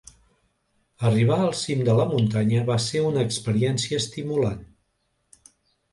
Arribar al cim de la muntanya va ser una experiència estimulant.